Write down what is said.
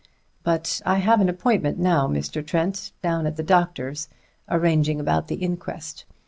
But I have an appointment now, Mr. Trent, down at the doctor's arranging about the inquest.